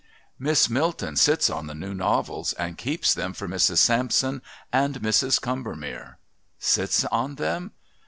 Miss Milton sits on the new novels and keeps them for Mrs. Sampson and Mrs. Combermere." "Sits on them?"